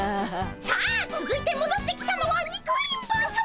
さあつづいてもどってきたのはニコリン坊さま！